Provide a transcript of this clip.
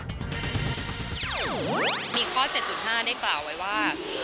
มีข้อ๗๕ได้กล่าวไว้ว่า